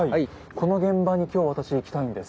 この現場に今日私行きたいんです。